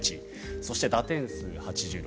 そして打点数、８６